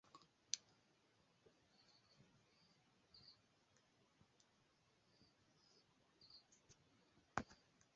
Li mortis la en Buda.